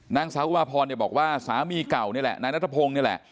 นางสาวอุมาพรเนี่ยบอกว่าสามีเก่านี่แหละนายนัทพงศ์นี่แหละ